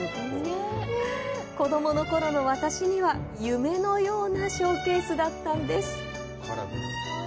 子供のころの私には夢のようなショーケースだったんです。